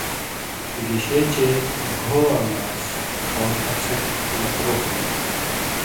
گِشے چے گھوواں ماس کھؤں اڅھک (مکروہ) ہُوئ تھو،